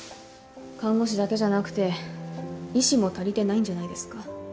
看護師だけじゃなくて医師も足りてないんじゃないですか？